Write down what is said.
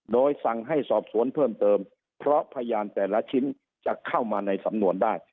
โดยสั่งให้สอบสวนเพิ่มเติมเพราะพยานแต่ละชิ้นจะเข้ามาในสำนวนได้